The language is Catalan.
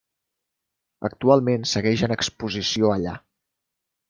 Actualment segueix en exposició allà.